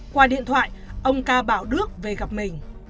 qua điện thoại ông ca bảo đước về gặp mình